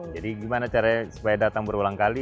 jadi gimana caranya supaya datang berulang kali